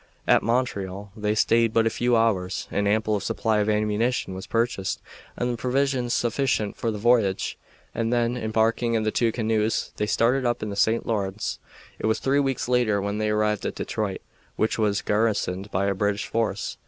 At Montreal they stayed but a few hours. An ample supply of ammunition was purchased and provisions sufficient for the voyage; and then, embarking in the two canoes, they started up the St. Lawrence. It was three weeks later when they arrived at Detroit, which was garrisoned by a British force.